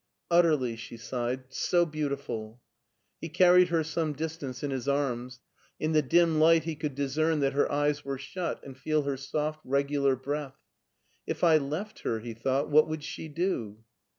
Utterly !" she sighed ;" so beautiful !" He carried her some distance in his arms. In the dim light he could discern that her eyes were shut and feel her soft, regular breath. " If I left her/' he thought, " what would she do